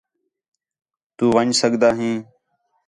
تُو ون٘ڄ سڳدا ہیں